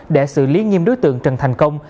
để xử lý nghiêm đối tượng trần thành công